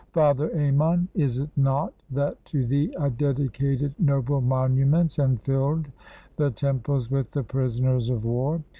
Father Ammon, is it nought That to thee I dedicated noble monuments, *and filled Thy temples with the prisoners of war?